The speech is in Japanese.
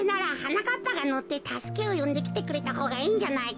かっぱがのってたすけをよんできてくれたほうがいいんじゃないか？